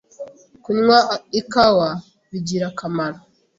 Kunywa ikawa bigira akamaro